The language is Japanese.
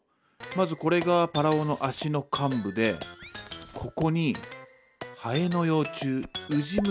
まずこれがパラオの足の患部でここにハエの幼虫ウジ虫を置いておく。